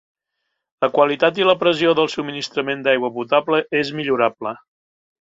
La qualitat i la pressió del subministrament d'aigua potable és millorable.